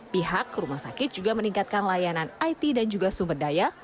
pihak rumah sakit juga meningkatkan layanan it dan juga sumber daya